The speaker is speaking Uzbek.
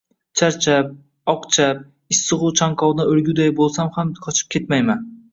Charchab, ochqab, issigʻu chanqovdan oʻlgiday boʻlsam ham qochib ketmayman.